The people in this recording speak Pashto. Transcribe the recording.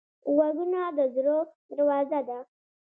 غوږونه د زړه دروازه ده